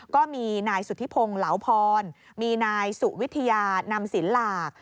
ก็มีนายสุธิพงศ์เหลาพรมีนายสุวิทยานำสินหลาก